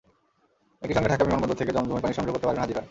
একই সঙ্গে ঢাকা বিমানবন্দর থেকে জমজমের পানি সংগ্রহ করতে পারবেন হাজিরা।